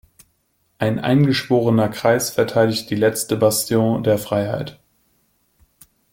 Ein eingeschworener Kreis verteidigt die letzte Bastion der Freiheit.